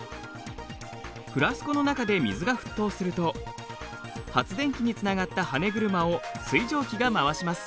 フラスコの中で水が沸騰すると発電機につながったはね車を水蒸気が回します。